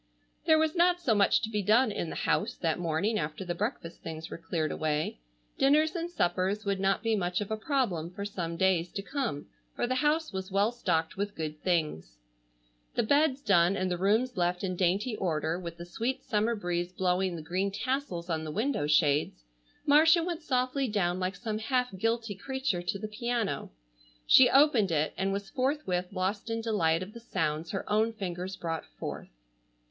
There was not so much to be done in the house that morning after the breakfast things were cleared away. Dinners and suppers would not be much of a problem for some days to come, for the house was well stocked with good things. The beds done and the rooms left in dainty order with the sweet summer breeze blowing the green tassels on the window shades, Marcia went softly down like some half guilty creature to the piano. She opened it and was forthwith lost in delight of the sounds her own fingers brought forth.